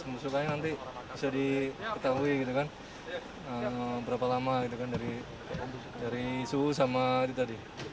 pembusukannya nanti bisa diketahui berapa lama dari suhu dan kelembapan udara